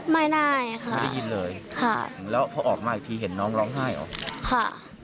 ไม่ได้ค่ะไม่ได้ยินเลยค่ะแล้วพอออกมาอีกทีเห็นน้องร้องไห้หรอค่ะ